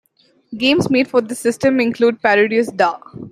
Games made for this system include Parodius Da!